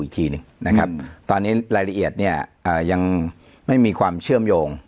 อีกทีหนึ่งนะครับตอนนี้รายละเอียดเนี่ยยังไม่มีความเชื่อมโยง